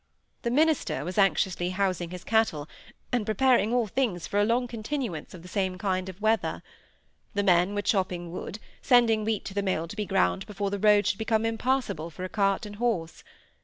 The minister was anxiously housing his cattle, and preparing all things for a long continuance of the same kind of weather. The men were chopping wood, sending wheat to the mill to be ground before the road should become impassable for a cart and horse.